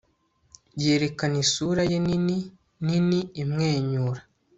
yerekana isura ye nini nini imwenyura